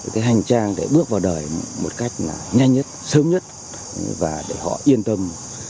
cái hành trang để bước vào đời một cách là nhanh nhất sớm nhất và để họ yên tâm